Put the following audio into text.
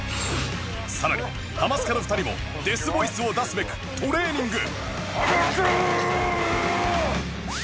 さらにハマスカの２人もデスボイスを出すべくトレーニング！